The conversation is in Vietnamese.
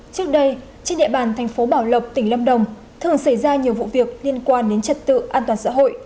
trước đây trên địa bàn thành phố bảo lộc tỉnh lâm đồng thường xảy ra nhiều vụ việc liên quan đến trật tự an toàn xã hội